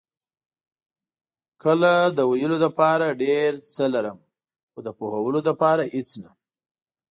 کله د ویلو لپاره ډېر څه لرم، خو د پوهولو لپاره هېڅ نه.